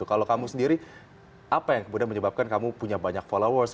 kalau kamu sendiri apa yang kemudian menyebabkan kamu punya banyak followers